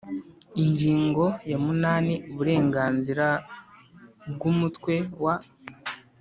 Ingingo ya munani Uburenganzira bw umutwe w